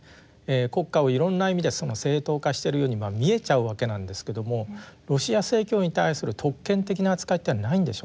国家をいろんな意味で正当化しているように見えちゃうわけなんですけどもロシア正教に対する特権的な扱いってないんでしょうか？